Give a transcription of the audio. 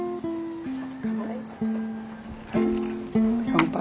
乾杯！